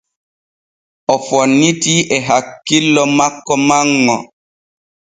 O fonnitii e hakkillo makko manŋo.